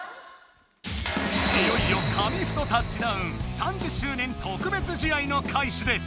いよいよ「紙フトタッチダウン」３０周年特別試合のかいしです。